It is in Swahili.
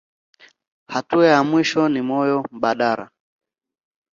Hatua ya mwisho ni moyo mbadala.